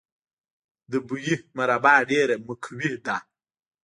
د بهي مربا ډیره مقوي ده.